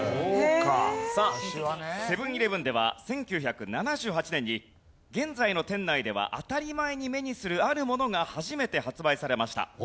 さあセブンーイレブンでは１９７８年に現在の店内では当たり前に目にするあるものが初めて発売されました。